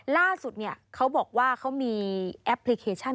ล่าสุดเนี่ยเขาบอกว่าเขามีแอปพลิเคชัน